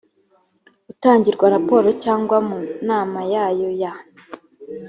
utangirwa raporo cyangwa mu nama yayo ya